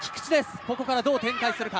ここからどう展開するか？